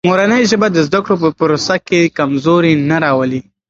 مورنۍ ژبه د زده کړو په پروسه کې کمزوري نه راولي.